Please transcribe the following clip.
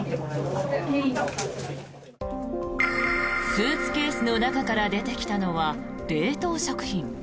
スーツケースの中から出てきたのは冷凍食品。